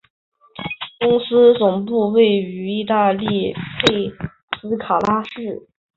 公司总部位于意大利佩斯卡拉市。